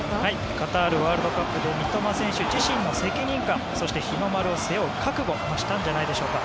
カタールワールドカップ後三笘選手自身の責任感、日の丸を背負う覚悟が増したんじゃないでしょうか。